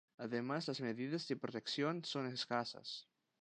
Además las medidas de protección son escasas.